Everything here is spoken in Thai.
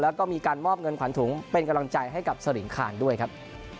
แล้วก็มีการมอบเงินขวัญถุงเป็นกำลังใจให้กับสริงคารด้วยครับ